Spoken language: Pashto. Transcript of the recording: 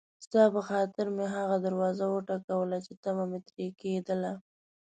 ستا په خاطر مې هغه دروازه وټکوله چې طمعه مې ترې کېدله.